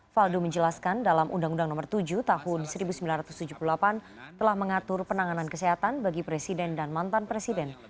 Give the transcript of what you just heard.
faldo menjelaskan dalam undang undang nomor tujuh tahun seribu sembilan ratus tujuh puluh delapan telah mengatur penanganan kesehatan bagi presiden dan mantan presiden